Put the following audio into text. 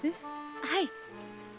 はい！